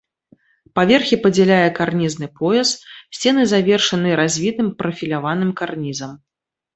Паверхі падзяляе карнізны пояс, сцены завершаны развітым прафіляваным карнізам.